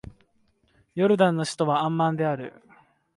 ヨルダンの首都はアンマンである